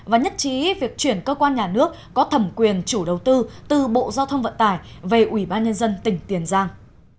và nhất trí việc chuyển cơ quan nhà nước có thẩm quyền chủ đầu tư từ bộ giao thông vận tải về ủy ban nhân dân tỉnh tiền giang